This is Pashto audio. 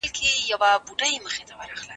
خلک به د سیاست په اړه بېلابېل نظرونه ولري.